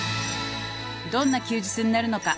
「どんな休日になるのか」